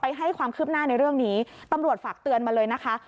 ให้ความคืบหน้าในเรื่องนี้ตำรวจฝากเตือนมาเลยนะคะ